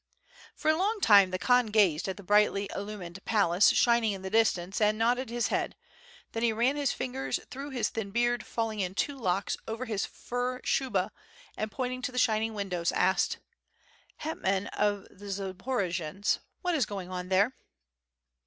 For a long time the Khan gazed at the brightly illumined yoo WITH FIRE AND SWORD, palace shining in the distance and nodded his head, then he ran his fingers through his thin beard falling in two locks over his fur shuba and pointing to the shining windows, asked: "Hetman of the Zaporojians, what is going on there?"